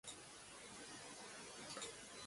一般相対性理論と共に現代物理学の根幹を成す理論